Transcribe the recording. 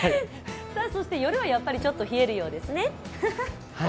そして夜はやっぱりちょっと冷えるようですね。